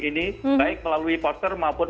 ini baik melalui poster maupun